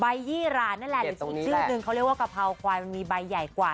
ยี่รานนั่นแหละหรืออีกชื่อนึงเขาเรียกว่ากะเพราควายมันมีใบใหญ่กว่า